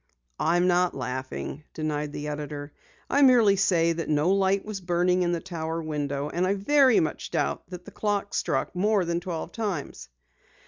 "I'm not laughing," denied the editor. "I merely say that no light was burning in the tower window, and I very much doubt that the clock struck more than twelve times."